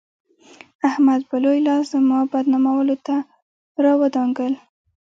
احمد به لوی لاس زما بدنامولو ته راودانګل.